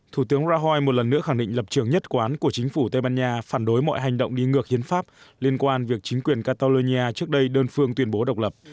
thủ tướng rahoi một lần nữa khẳng định lập trường nhất quán của chính phủ tây ban nha phản đối mọi hành động đi ngược hiến pháp liên quan việc chính quyền catallonia trước đây đơn phương tuyên bố độc lập